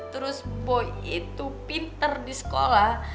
terus boy itu pinter di sekolah